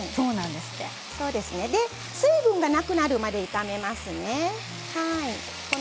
水分がなくなるまで炒めます。